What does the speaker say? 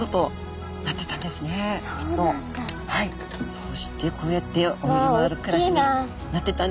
そうしてこうやって泳ぎ回る暮らしになってったんですね。